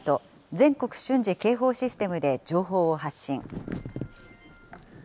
・全国瞬時警報システムで情報を発信。